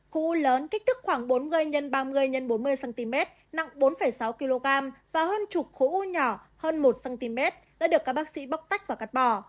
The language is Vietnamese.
khối u lớn kích tức khoảng bốn mươi x ba mươi x bốn mươi cm nặng bốn sáu kg và hơn chục khối u nhỏ hơn một cm đã được các bác sĩ bóc tách và cắt bỏ